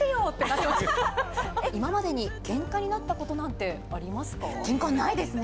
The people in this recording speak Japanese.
今までに、けんかになったこけんかないですね。